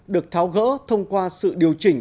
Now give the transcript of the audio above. được tháo gỡ thông qua sự điều chỉnh